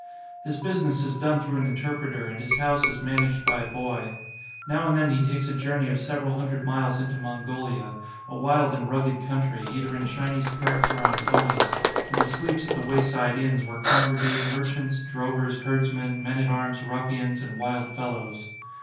His business is done through an interpreter and his house is managed by a boy. Now and then he takes a journey of several hundred miles into Mongolia, a wild and rugged country, either in Chinese carts or on ponies; and he sleeps at the wayside inns where congregate merchants, drovers, herdsmen, men at arms, ruffians, and wild fellows.